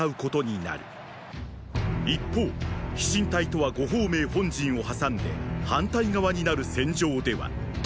一方飛信隊とは呉鳳明本陣をはさんで反対側になる戦場ではーー。